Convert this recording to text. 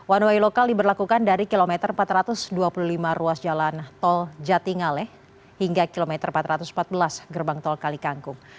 one way lokal diberlakukan dari kilometer empat ratus dua puluh lima ruas jalan tol jati ngaleh hingga kilometer empat ratus empat belas gerbang tol kalikangkung